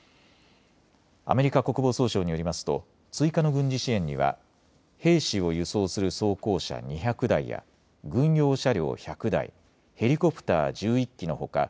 アメリカ国防総省によりますと追加の軍事支援には兵士を輸送する装甲車２００台や軍用車両１００台、ヘリコプター１１機のほか